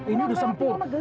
ini udah sempur